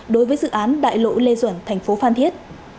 đối với dự án đại lộ lê duẩn thành phố phan thiết